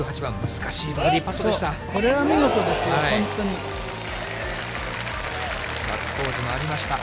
難しいバーディーパットでした。